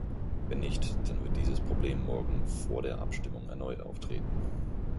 Wenn nicht, dann wird dieses Problem morgen vor der Abstimmung erneut auftreten.